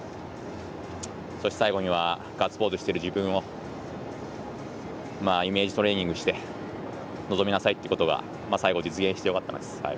そして最後にはガッツポーズしてる自分をイメージトレーニングして臨みなさいっていうことが最後、実現してよかったです。